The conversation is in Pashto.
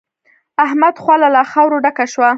د احمد خوله له خاورو ډکه شوه.